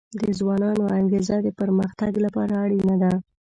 د ځوانانو انګیزه د پرمختګ لپاره اړینه ده.